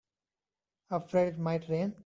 Afraid it might rain?